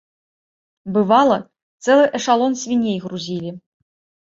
Бывала, цэлы эшалон свіней грузілі.